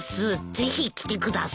「ぜひきてください」